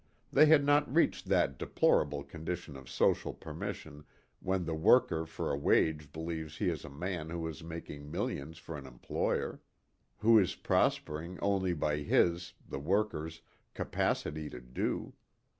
They had not reached that deplorable condition of social pessimism when the worker for a wage believes he is the man who is making millions for an employer, who is prospering only by his, the worker's, capacity to do.